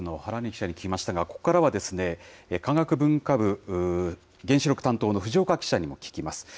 記者に聞きましたが、ここからは、科学文化部、原子力担当の藤岡記者にも聞きます。